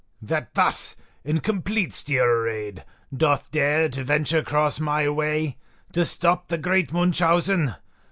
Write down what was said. that thus, in complete steel arrayed, doth dare to venture cross my way, to stop the great Munchausen.